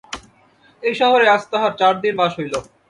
এই শহরে আজ তাঁহার চার দিন বাস হইল।